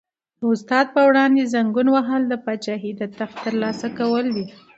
د استاد په وړاندې زنګون وهل د پاچاهۍ د تخت تر لاسه کول دي.